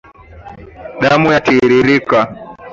Damu yatiririka